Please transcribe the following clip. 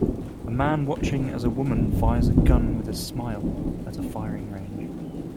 A man watching as a woman fires a gun with a smile at a firing range.